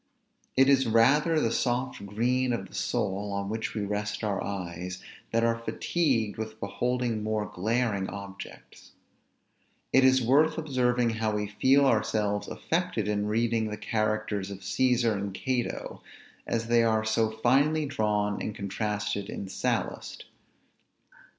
It is rather the soft green of the soul on which we rest our eyes, that are fatigued with beholding more glaring objects. It is worth observing how we feel ourselves affected in reading the characters of Cæsar and Cato, as they are so finely drawn and contrasted in Sallust.